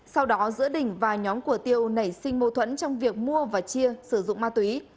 sau đó giữa đình và nhóm của tiêu nảy sinh mâu thuẫn trong việc mua và chia sử dụng ma túy